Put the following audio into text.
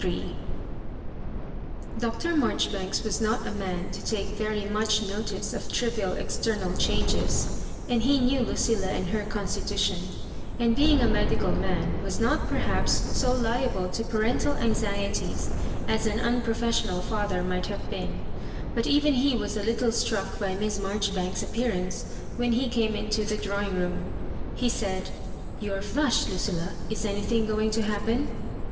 CHAPTER XXXIIL Dr. Mabjoribakkb was not a man to take very much notice of trivial external changes; and he knew Lucilla and her constitution, and, being a medical man, was not perhaps so liable to pa rental anxieties as an unprofessional father might have been ; but even he was a little struck hy Miss Marjoribanks's appearance when he came into the drawing room. He said, " You are flushed, Lucilla ? is anything going to happen